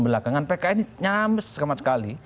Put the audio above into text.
belakangan pks ini nyames sekali